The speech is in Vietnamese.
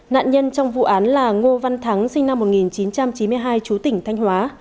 nạn nhân trong vụ án là ngô văn thắng sinh năm một nghìn chín trăm chín mươi hai chú tỉnh thanh hóa